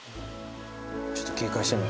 ちょっと警戒してる。